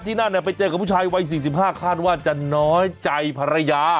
นั่นไปเจอกับผู้ชายวัย๔๕คาดว่าจะน้อยใจภรรยา